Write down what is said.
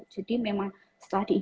jadi memang setelah